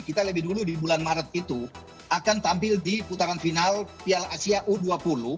kita lebih dulu di bulan maret itu akan tampil di putaran final piala asia u dua puluh